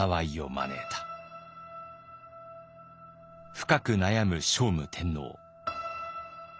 深く悩む聖武天皇。